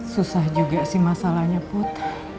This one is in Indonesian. susah juga sih masalahnya put